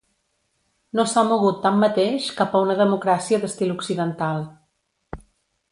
No s'ha mogut, tanmateix, cap a una democràcia d'estil Occidental.